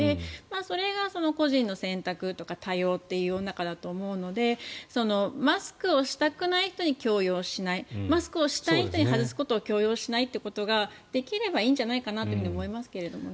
それが個人の選択というか多様という世の中だと思うのでマスクをしたくない人に強要しないマスクをしたい人に外すことを強要しないということをできればいいんじゃないかなと思いますけどね。